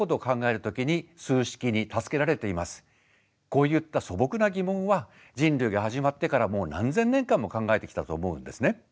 こういった素朴な疑問は人類が始まってからもう何千年間も考えてきたと思うんですね。